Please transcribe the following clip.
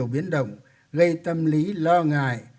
biến động gây tâm lý lo ngại